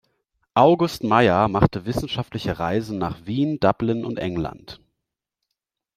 August Meyer machte wissenschaftliche Reisen nach Wien, Dublin und England.